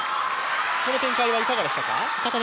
この展開はいかがですか。